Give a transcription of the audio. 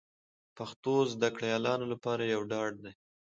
پښتو زده کړیالانو لپاره یو ډاډ دی